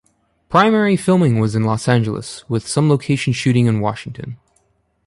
Primary filming was in Los Angeles, with some location shooting in Washington.